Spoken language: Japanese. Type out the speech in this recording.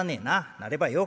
なればよ